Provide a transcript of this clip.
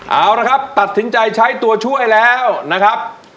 เอาละครับตัดสินใจใช้ตัวช่วยแล้วนะครับ